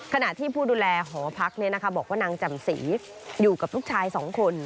ขณะที่ผู้ดูแลหอพักบอกว่านางจำศรีอยู่กับลูกชาย๒คน